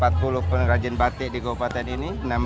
ada enam dua ratus empat puluh pengrajin batik di kabupaten ini enam